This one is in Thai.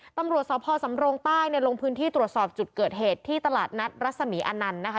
ตำรวจสาวพอร์สำรงค์ใต้ในลงพื้นที่ตรวจสอบจุดเกิดเหตุที่ตลาดนัดรัศนีอันนันนะคะ